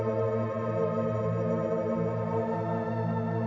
tidak ada yang bisa dikira